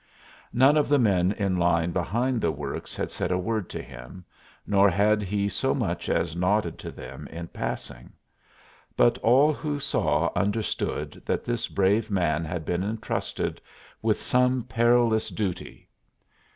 None of the men in line behind the works had said a word to him, nor had he so much as nodded to them in passing, but all who saw understood that this brave man had been intrusted with some perilous duty.